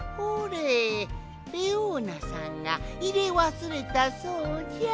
レオーナさんがいれわすれたそうじゃ。